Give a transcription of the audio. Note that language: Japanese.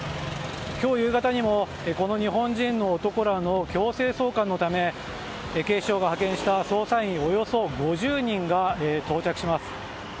今日夕方にも、この日本人の男らの強制送還のため警視庁が派遣した捜査員およそ５０人が到着します。